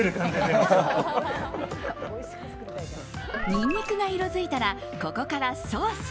ニンニクが色づいたらここからソース。